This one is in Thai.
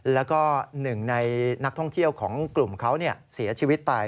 แล้วก็หนึ่งในนักท่องเที่ยวของกลุ่มเขาเสียชีวิตไป